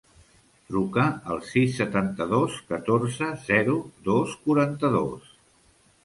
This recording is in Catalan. Truca al sis, setanta-dos, catorze, zero, dos, quaranta-dos.